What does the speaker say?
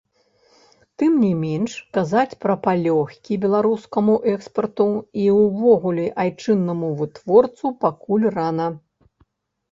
Тым не менш казаць пра палёгкі беларускаму экспарту і ўвогуле айчыннаму вытворцу пакуль рана.